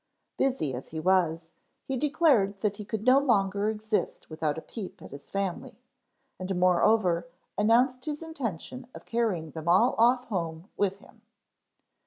Busy as he was, he declared that he could no longer exist without a peep at his family, and moreover announced his intention of carrying them all off home with him.